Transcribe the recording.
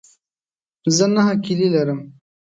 زه نهه کیلې لرم.